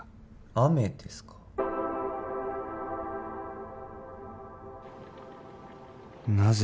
雨ですかなぜ